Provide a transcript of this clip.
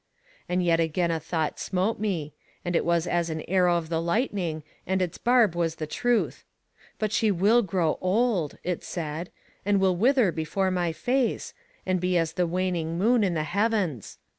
And yet again a thought smote me, and it was as an arrow of the lightning, and its barb was the truth: But she will grow old, it said, and will wither before thy face, and be as the waning moon in the heavens.